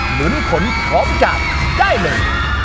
หนุนผลพร้อมจากได้เลย